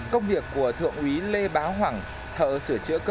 công việc của thượng úy lê bá hoàng thợ sửa chữa cơ